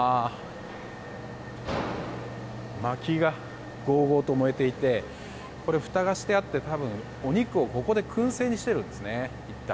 まきがごうごうと燃えていてふたがしてあって多分、お肉をここで燻製にしているんですね。